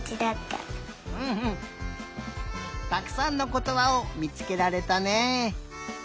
たくさんのことばをみつけられたね。